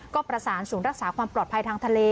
ก็ประสานศูนย์รักษาความปลอดภัยทางทะเล